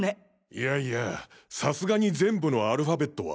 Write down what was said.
いやいやさすがに全部のアルファベットは。